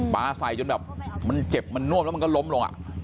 ปลาใส่จนแบบมันเจ็บมันนว่นแล้วก็ล้มลงน่ะ